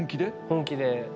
本気で。